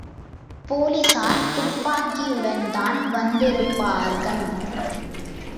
போலீசார் துப்பாக்கியுடன்தான் வந்திருப்பார்கன்.